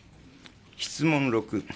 質問６。